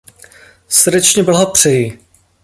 Srdečně blahopřeji!